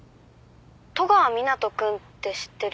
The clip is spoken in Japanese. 戸川湊斗君って知ってる？